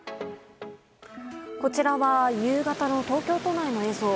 こちらは夕方の東京都内の映像。